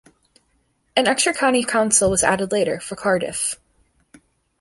An extra county council was added later, for Cardiff.